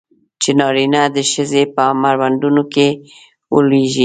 چې نارینه د ښځې په مړوندونو کې ولویږي.